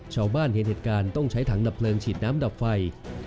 ชาวบ้านเห็นเหตุการณ์ต้องใช้ถังดับเลิงฉีดน้ำดับไฟ